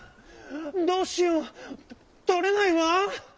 どうしようとれないわ！」。